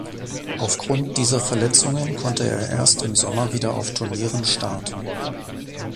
Aufgrund dieser Verletzungen konnte er erst im Sommer wieder auf Turnieren starten.